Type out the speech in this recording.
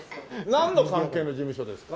なんの関係の事務所ですか？